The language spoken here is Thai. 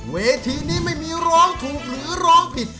เวทีนี้ไม่มีร้องถูกหรือร้องผิด